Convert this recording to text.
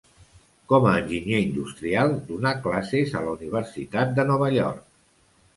Com a enginyer industrial, donà classes a la Universitat de Nova York.